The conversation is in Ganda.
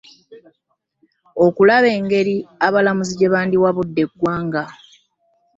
Okulaba engeri abalamuzi gye bandiwabudde eggwanga